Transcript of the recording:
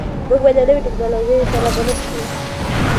موږ باید له نویو ټکنالوژیو سره بلد سو.